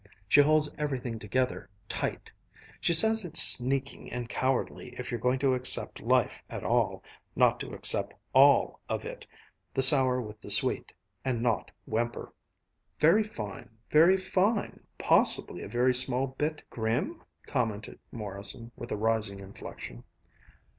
She holds everything together tight. She says it's sneaking and cowardly if you're going to accept life at all, not to accept all of it the sour with the sweet and not whimper." "Very fine, very fine! Possibly a very small bit ... grim?" commented Morrison, with a rising inflection.